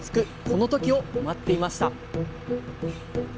この時を待っていました。